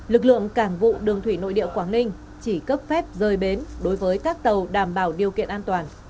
lực lượng cảng vụ đường thủy nội địa quảng ninh chỉ cấp phép rời bến đối với các tàu đảm bảo điều kiện an toàn